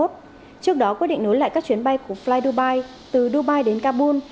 trước đó quyết định nối lại các chuyến bay của fly dubai từ dubai đến kabul